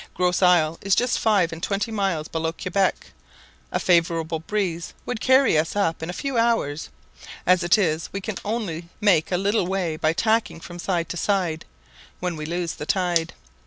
Gros Isle is just five and twenty miles below Quebec, a favourable breeze would carry us up in a few hours; as it is we can only make a little way by tacking from side to side when we lose the tide.